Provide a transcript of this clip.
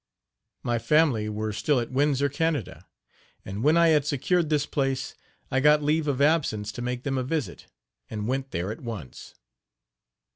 My family were still at Windsor, Canada; and, when I had secured this place, I got leave of absence to make them a visit, and went there at once.